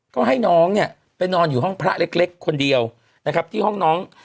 ก็ให้น้องเนี่ยไปนอนอยู่ห้องพระเล็กคนเดียวนะครับที่ห้องน้อง